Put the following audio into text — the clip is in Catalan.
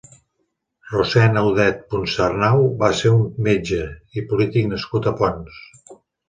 Rossend Audet Puncernau va ser un metge i polític nascut a Ponts.